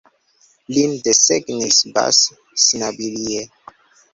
Lin desegnis Bas Snabilie.